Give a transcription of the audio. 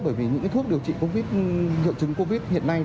bởi vì những cái thuốc điều trị nhiễu chứng covid hiện nay